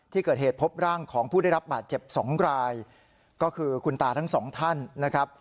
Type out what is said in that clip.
ที่เกิดเหตุพบร่างของผู้ได้รับบาดเจ็บสองรายก็คือคุณตาทั้งสองท่านนะครับ